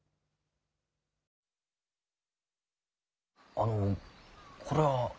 あのこれは。